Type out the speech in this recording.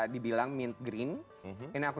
dibilang mean green ini aku